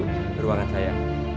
ke ruangan saya